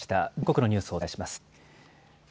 全国のニュースをお伝えします。